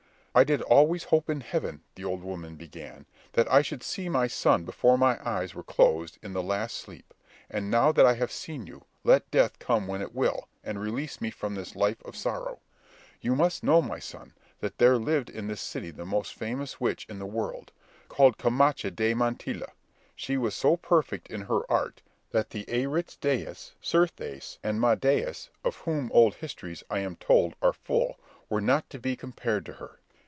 "I did always hope in heaven," the old woman began, "that I should see my son before my eyes were closed in the last sleep; and now that I have seen you, let death come when it will, and release me from this life of sorrow. You must know, my son, that there lived in this city the most famous witch in the world, called Camacha de Montilla. She was so perfect in her art, that the Erichtheas, Circes, and Medeas, of whom old histories, I am told, are full, were not to be compared to her.